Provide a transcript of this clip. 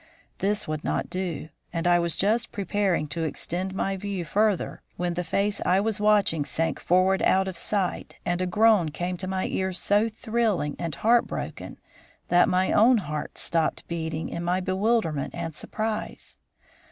This would not do, and I was just preparing to extend my view further when the face I was watching sank forward out of sight and a groan came to my ears so thrilling and heartbroken that my own heart stopped beating in my bewilderment and surprise.